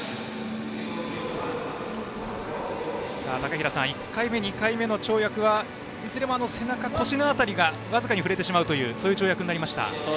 高平さん１回目、２回目の跳躍はいずれも背中、腰の辺りが僅かに触れてしまう跳躍になりました。